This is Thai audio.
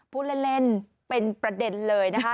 พูดเล่นเป็นประเด็นเลยนะคะ